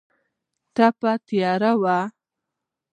تپه تیاره وه.